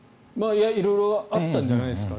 色々あったんじゃないんですか。